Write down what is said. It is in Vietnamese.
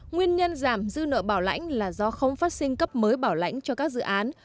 nguyên nhân giảm dư nợ bảo lãnh là do không phát sinh cấp mới bảo lãnh cho các dự án